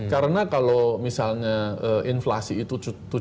karena kalau misalnya inflasi itu tujuh tujuh